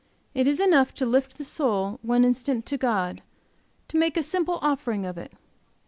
It is enough to lift the soul one instant to God, to make a simple offering of it.